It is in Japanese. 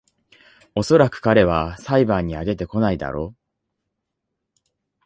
おそらく彼は裁判には出てこないだろ